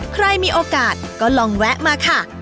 ใครมีโอกาสก็ลองแวะมาค่ะ